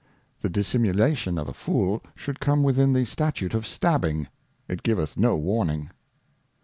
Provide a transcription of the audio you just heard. The Dissimulation of a Fool should come within the Statute of Stabbing. It giveth no Warning.